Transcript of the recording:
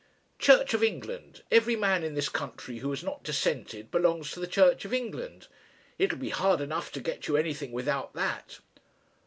"Church of England. Every man in this country who has not dissented belongs to the Church of England. It'll be hard enough to get you anything without that."